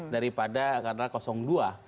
daripada karena dua